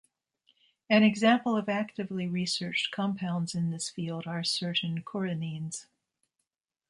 An example of actively researched compounds in this field are certain coronenes.